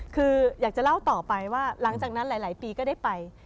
คืออยากจะเล่าต่อไปว่าหลังจากนั้นหลายปีก็ได้ไป